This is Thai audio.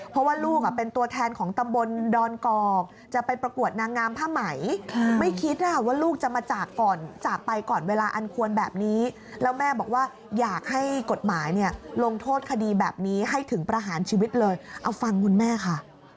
เพราะว่าลูกเป็นตัวแทนของตำบลดอนกอกจะไปประกวดนางงามผ้าไหมไม่คิดว่าลูกจะมาจากก่อนจากไปก่อนเวลาอันควรแบบนี้แล้วแม่บอกว่าอยากให้กฎหมายเนี่ยลงโทษคดีแบบนี้ให้ถึงประหารชีวิตเลยเอาฟังคุณแม่ค่ะ